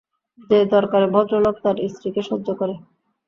যে দরকারে ভদ্রলোক তার স্ত্রীকে সহ্য করে।